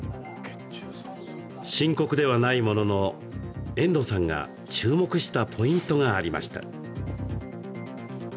深刻ではないものの、遠藤さんが注目したポイントがありました。